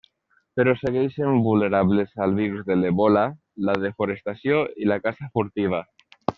Però segueixen vulnerables al virus de l'Ebola, la desforestació i la caça furtiva.